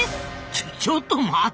ちょちょっと待った！